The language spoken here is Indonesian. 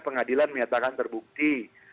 pengadilan menyatakan terbukti